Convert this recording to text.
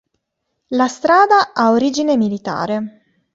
La strada ha origine militare.